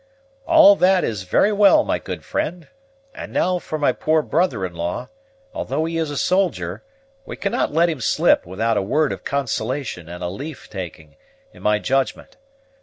"All that is very well, my good friend. And now for my poor brother in law: though he is a soldier, we cannot let him slip without a word of consolation and a leave taking, in my judgment.